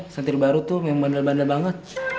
santir baru tuh memang bandel bandel banget